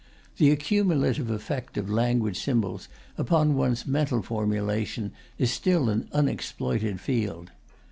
The accumulative effect of language symbols upon one's mental formulation is still an unexploited field.